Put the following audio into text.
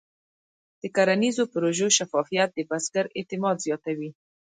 د کرنیزو پروژو شفافیت د بزګر اعتماد زیاتوي.